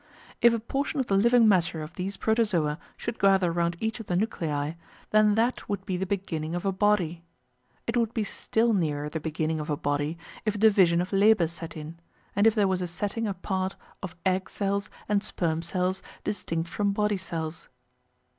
If a portion of the living matter of these Protozoa should gather round each of the nuclei, then that would be the beginning of a body. It would be still nearer the beginning of a body if division of labour set in, and if there was a setting apart of egg cells and sperm cells distinct from body cells.